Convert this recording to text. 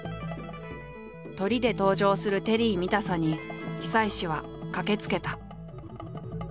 トリで登場するテリー見たさに久石は駆けつけた。